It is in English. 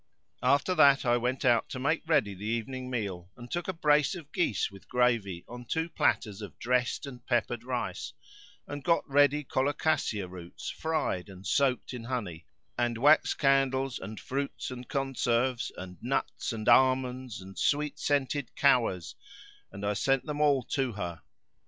After that I went out to make ready the evening meal and took a brace of geese with gravy on two platters of dressed and peppered rice, and got ready colocasia[FN#541] roots fried and soaked in honey, and wax candles and fruits and conserves and nuts and almonds and sweet scented flowers; and I sent them all to her.